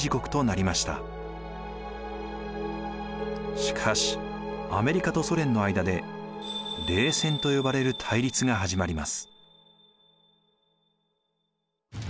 しかしアメリカとソ連の間で冷戦と呼ばれる対立が始まります。